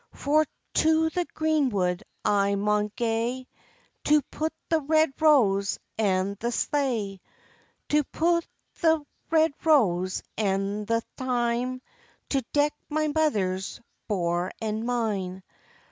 "For to the green wood I maun gae, To pu' the red rose and the slae; To pu' the red rose and the thyme, To deck my mother's bour and mine.